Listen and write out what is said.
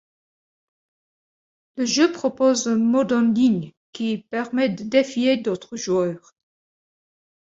Le jeu propose un mode en ligne qui permet de défier d'autres joueurs.